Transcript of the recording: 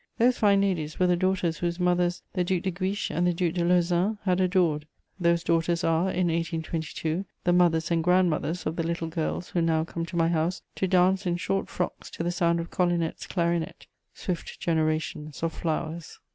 Those fine ladies were the daughters whose mothers the Duc de Guiche and the Duc de Lauzun had adored; those daughters are, in 1822, the mothers and grandmothers of the little girls who now come to my house to dance in short frocks to the sound of Collinet's clarinet, swift generations of flowers.